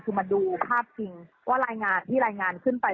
คือมาดูภาพจริงว่ารายงานที่รายงานขึ้นไป